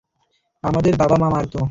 আমাদের বাবা-মা মারত।